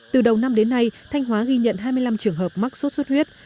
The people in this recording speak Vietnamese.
từ đầu năm đến nay thanh hóa ghi nhận hai mươi năm trường hợp mắc sốt xuất huyết